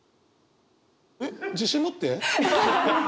自信持って。